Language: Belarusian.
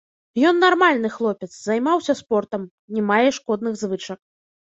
Ён нармальны хлопец, займаўся спортам, не мае шкодных звычак.